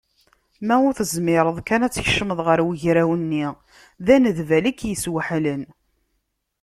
Ma ur tezmireḍ kan ad tkecmeḍ ɣer ugraw-nni, d anedbal i k-yesweḥlen.